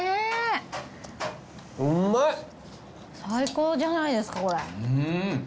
最高じゃないですかこれ。